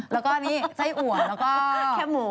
แล้วก็นี่ไส้อั่วแล้วก็